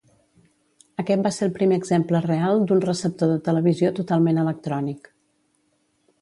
Aquest va ser el primer exemple real d'un receptor de televisió totalment electrònic.